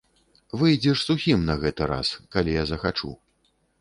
Выйдзеш сухім на гэты раз, калі я захачу.